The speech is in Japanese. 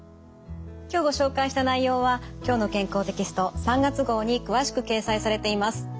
今日ご紹介した内容は「きょうの健康」テキスト３月号に詳しく掲載されています。